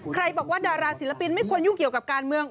บอกว่าดาราศิลปินไม่ควรยุ่งเกี่ยวกับการเมือง